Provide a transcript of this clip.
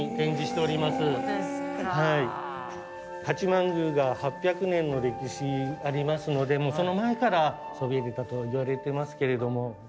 八幡宮が８００年の歴史ありますのでもうその前からそびえてたといわれてますけれども。